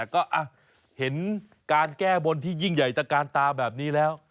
ก็เห็นการแก้บนที่ยิ่งใหญ่ตะกานตาแบบนี้แล้ว